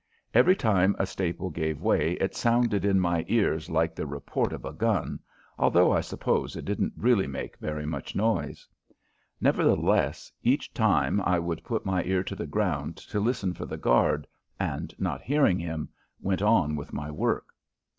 Every time a staple gave way it sounded in my ears like the report of a gun, although I suppose it didn't really make very much noise. Nevertheless, each time I would put my ear to the ground to listen for the guard, and, not hearing him, went on with my work.